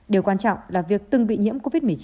điều quan trọng là việc từng bị nhiễm covid một mươi chín